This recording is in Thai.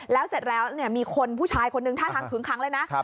แล้วเสร็จแล้วเนี่ยมีคนผู้ชายคนหนึ่งท่าทางถึงครั้งเลยนะ